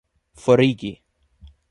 forigi